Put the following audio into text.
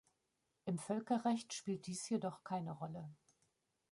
Im Völkerrecht spielt dies jedoch keine Rolle.